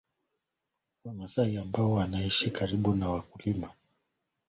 Wamasai ambao wanaishi karibu na wakulima wanajishughulisha na kilimo kama msingi wa kujikimu